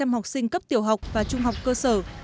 các học sinh cấp tiểu học và trung học cơ sở